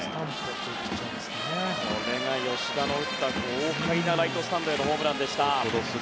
吉田、豪快なライトスタンドへのホームランでした。